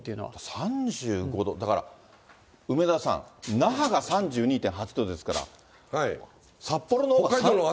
３５度、だから梅沢さん、那覇が３２．８度ですから、札幌のほうが。